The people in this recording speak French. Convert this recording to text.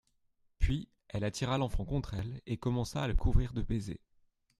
Puis, elle attira l'enfant contre elle et commença à le couvrir de baisers.